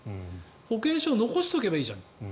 保険証を残しておけばいいじゃん。